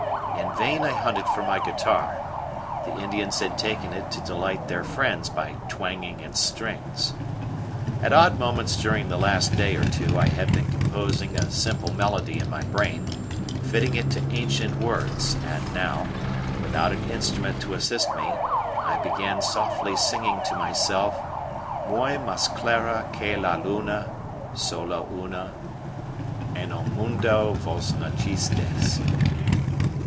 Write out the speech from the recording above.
In vain I hunted for my guitar; the Indians had taken it to delight their friends by twanging its strings. At odd moments during the last day or two I had been composing a simple melody in my brain, fitting it to ancient words; and now, without an instrument to assist me, I began softly singing to myself: Muy mas clara que la luna Sola una en el mundo vos nacistes.